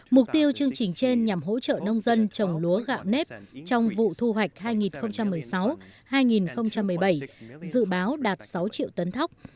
mục tiêu chương trình trên nhằm hỗ trợ nông dân trồng lúa gạo nếp trong vụ thu hoạch hai nghìn một mươi sáu hai nghìn một mươi bảy dự báo đạt sáu triệu tấn thóc